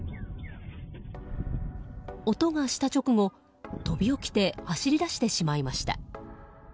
音がした直後、飛び起きて走り出してしまいました。